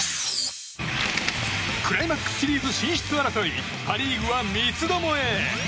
クライマックスシリーズ進出争いパ・リーグは三つどもえ！